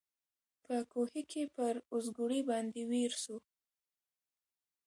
په کوهي کي پر اوزګړي باندي ویر سو